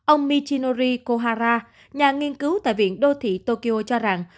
ông michinori kohara nhà nghiên cứu tại viện đô thị tokyo cho rằng